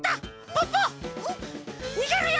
ポッポにげるよ！